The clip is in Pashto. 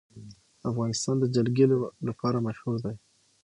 افغانستان د جلګه لپاره مشهور دی.